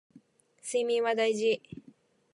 睡眠は大事